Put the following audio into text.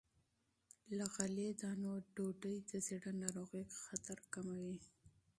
له غلې- دانو ډوډۍ د زړه ناروغۍ خطر کموي.